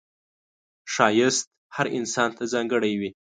ښایست هر انسان ته ځانګړی وي